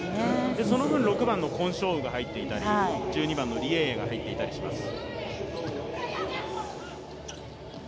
その分、６番のコン・ショウウが入っていたり１２番のリ・エイエイが入っていたりします。